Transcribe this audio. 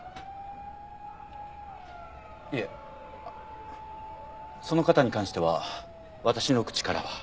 いえその方に関しては私の口からは。